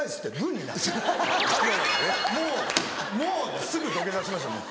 もうもうすぐ土下座しました。